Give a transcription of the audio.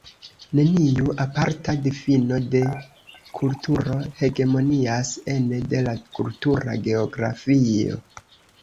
Neniu aparta difino de kulturo hegemonias ene de la kultura geografio.